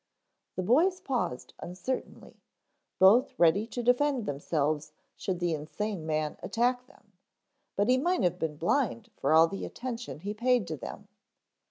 The boys paused uncertainly, both ready to defend themselves should the insane man attack them, but he might have been blind for all the attention he paid to them.